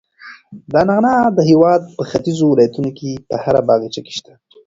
دا نعناع د هېواد په ختیځو ولایتونو کې په هر باغچه کې شته.